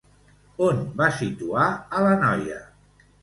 On van situar a la noia?